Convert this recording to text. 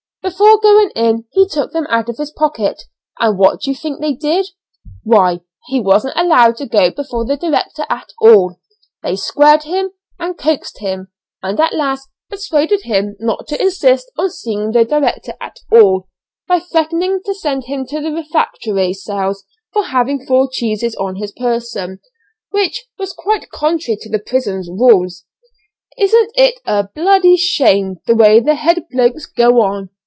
Before going in he took them out of his pocket, and what do you think they did? Why, he wasn't allowed to go before the director at all; they squared him and coaxed him, and at last persuaded him not to insist on seeing the director at all, by threatening to send him to the refractory cells for having four cheeses on his person, which was quite contrary to the prison rules! Isn't it a shame the way the head blokes go on?